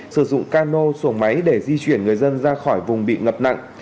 sử dụng cano xuồng máy để di chuyển người dân ra khỏi vùng bị ngập nặng